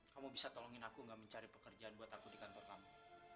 kamu bisa tolongin aku gak mencari pekerjaan buat aku di kantor kamu